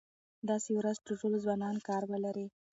داسې ورځ چې ټول ځوانان کار ولري.